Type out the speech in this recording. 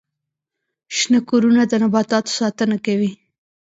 شنه کورونه د نباتاتو ساتنه کوي